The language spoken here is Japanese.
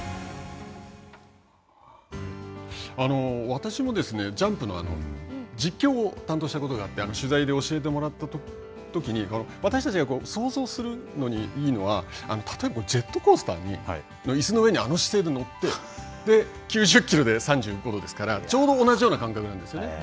私もジャンプの実況を担当したことがあって、取材で教えてもらったときに私たちが想像するのにいいのは、例えばジェットコースターにいすの上にあの姿勢で乗って、９０キロで３５度ですからちょうど同じような感覚なんですよね。